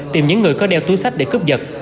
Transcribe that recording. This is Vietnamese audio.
tìm những người có đeo túi sách để cướp giật